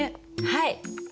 はい。